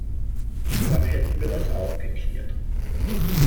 Dann hätten wir das auch geklärt.